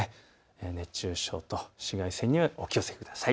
熱中症と紫外線にはお気をつけください。